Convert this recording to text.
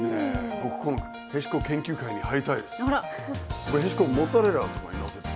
僕このへしこ研究会に入りたいです。